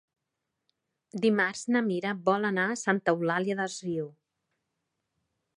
Dimarts na Mira vol anar a Santa Eulària des Riu.